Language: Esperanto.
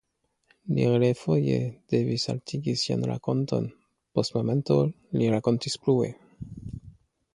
Li refoje devis haltigi sian rakonton; post momento li rakontis plue.